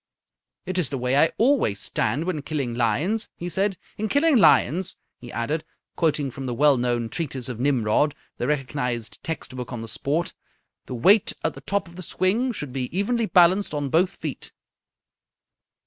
"It's the way I always stand when killing lions," he said. "'In killing lions,'" he added, quoting from the well known treatise of Nimrod, the recognized text book on the sport, "'the weight at the top of the swing should be evenly balanced on both feet.'"